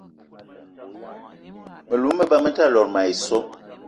Me lou me ba me ta lot mayi so.